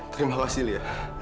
terima kasih li